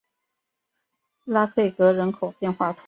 拉佩格人口变化图示